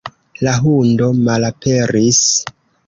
La hundo malaperis.